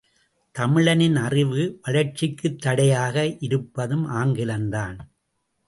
தமிழனின் அறிவு வளர்ச்சிக்குத் தடையாக இருப்பதும் ஆங்கிலம் தான்!